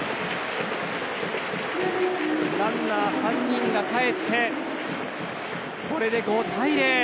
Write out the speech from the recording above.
ランナー３人がかえってこれで５対０。